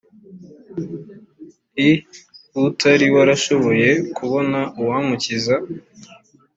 l utari warashoboye kubona uwamukiza